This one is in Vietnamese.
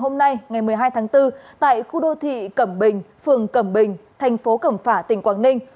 khoảng chín h sáng ngày hôm nay ngày một mươi hai tháng bốn tại khu đô thị cẩm bình phường cẩm bình thành phố cẩm phả tỉnh quảng ninh